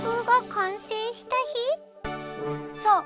そう。